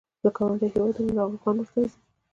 له ګاونډیو هیوادونو ناروغان ورته ځي.